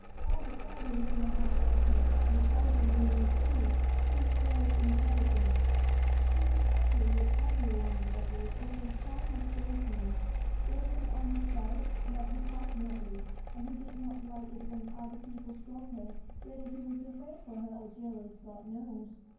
All the servants in the house liked her, and called her Mumu, too. She was very intelligent, she was friendly with every one, but was only fond of Gerasim. Gerasim, on his side, loved her passionately, and he did not like it when other people stroked her; whether he was afraid for her, or jealous God knows!